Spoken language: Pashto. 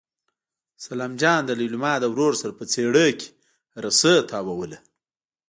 سلام جان د لېلما له ورور سره په څېړۍ کې رسۍ تاووله.